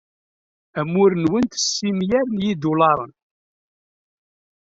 Amur-nwent simraw n yidulaṛen.